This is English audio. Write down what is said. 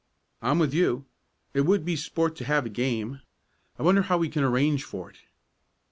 "I'm with you. It would be sport to have a game. I wonder how we can arrange for it?"